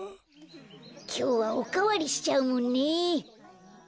きょうはおかわりしちゃうもんね。